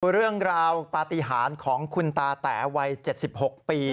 เรื่องราวปฏิหารของคุณตาแต๋วัย๗๖ปี